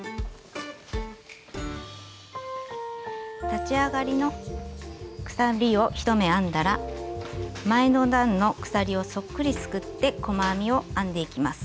立ち上がりの鎖を１目編んだら前の段の鎖をそっくりすくって細編みを編んでいきます。